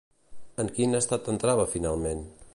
En quin estat entrava finalment?